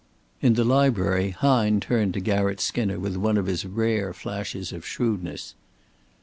In the library Hine turned to Garratt Skinner with one of his rare flashes of shrewdness.